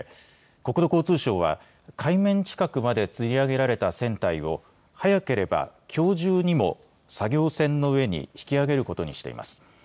北海道・知床半島沖で観光船が沈没した事故で国土交通省は海面近くまでつり上げられた船体を早ければきょう中にも作業船の上に引き揚げることにしています。